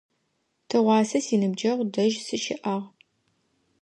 Тыгъуасэ синыбджэгъу дэжь сыщыӏагъ.